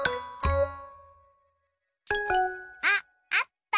あっあった！